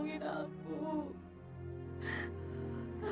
terus lo kalah